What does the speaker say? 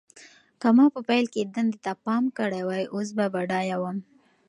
که ما په پیل کې دندې ته پام کړی وای، اوس به بډایه وم.